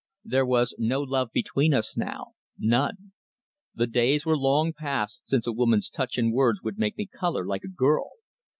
There was no love between us now. None. The days were long past since a woman's touch and words would make me colour like a girl.